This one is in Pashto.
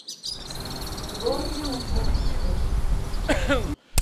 ګازو ته پام وکړئ.